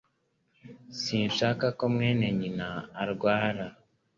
Sinshaka ko mwene nyina arwara